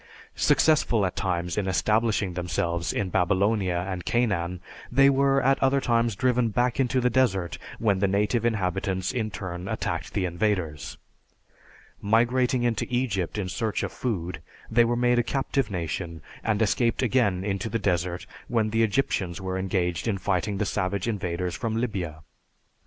Successful at times in establishing themselves in Babylonia and Canaan, they were at other times driven back into the desert when the native inhabitants in turn attacked the invaders. Migrating into Egypt in search of food, they were made a captive nation and escaped again into the desert when the Egyptians were engaged in fighting the savage invaders from Libya.